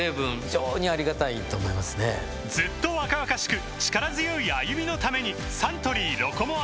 ずっと若々しく力強い歩みのためにサントリー「ロコモア」